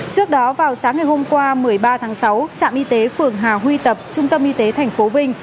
trước đó vào sáng ngày hôm qua một mươi ba tháng sáu trạm y tế phường hà huy tập trung tâm y tế tp vinh